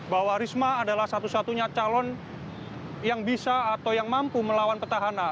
bahwa risma adalah satu satunya calon yang bisa atau yang mampu melawan petahana